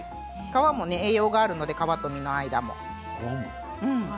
皮も栄養があるので皮と実の間ですね。